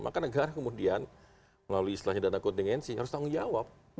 maka negara kemudian melalui istilahnya dana kontingensi harus tanggung jawab